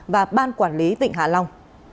và ban quản lý tỉnh hạ long